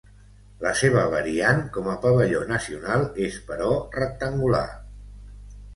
La seva variant com a pavelló nacional és però, rectangular.